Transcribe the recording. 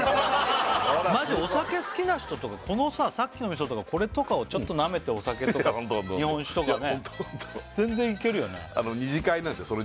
マジお酒好きな人とかこのささっきの味噌とかこれとかをちょっと舐めてお酒とかホントホントホント日本酒とかね全然いけるよね